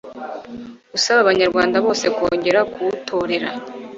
usaba abanyarwanda bose kongera kuwutorera